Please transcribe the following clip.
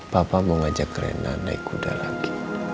papa mau ngajak rena naik kuda lagi